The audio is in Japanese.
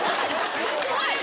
怖い！